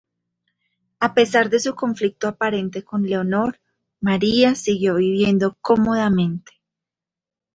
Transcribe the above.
A pesar de su conflicto aparente con Leonor, María siguió viviendo cómodamente.